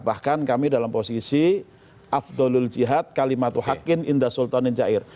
bahkan kami dalam posisi afdolul jihad kalimatuh haqqin indah sultanin jair